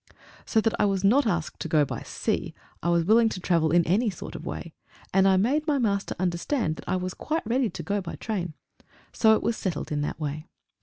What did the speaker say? So that I was not asked to go by Sea, I was willing to travel in any sort of way and I made my Master understand that I was quite ready to go by train, so it was settled in that way.